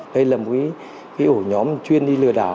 đây là một cái ổ nhóm chuyên đi lừa đảo